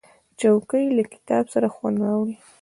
چوکۍ له کتاب سره خوند راوړي.